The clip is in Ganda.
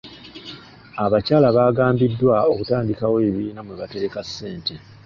Abakyala baagambiddwa okutandikawo ebibiina mwe batereka ssente.